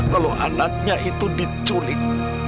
kalau anaknya itu diculik